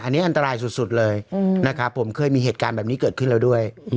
อันนี้อันตรายสุดเลยนะครับผมเคยมีเหตุการณ์แบบนี้เกิดขึ้นแล้วด้วย